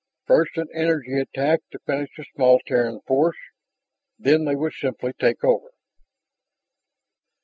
First an energy attack to finish the small Terran force; then they would simply take over.